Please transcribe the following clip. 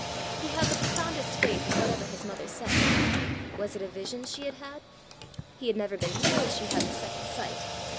He had the profoundest faith in whatever his mother said. Was it a vision she had had? He had never been told she had the second sight!